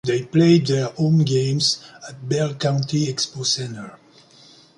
They played their home games at Bell County Expo Center.